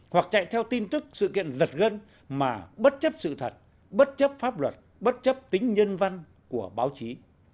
hoặc chạy theo tin tức sự kiện giật gân mà bất chấp sự thật bất chấp pháp luật bất chấp tính nhân văn của báo chí